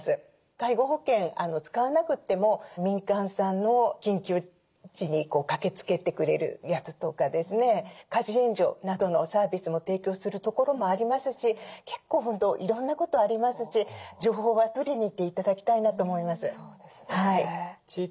介護保険使わなくても民間さんの緊急時に駆けつけてくれるやつとかですね家事援助などのサービスも提供するところもありますし結構本当いろんなことありますし情報は取りに行って頂きたいなと思います。